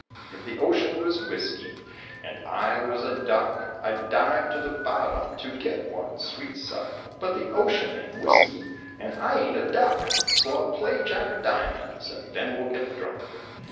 If the ocean was whiskey, And I was a duck, I'd dive to the bottom To get one sweet sup; But the ocean ain't whiskey, And I ain't a duck, So I'll play Jack o' diamonds And then we'll get drunk.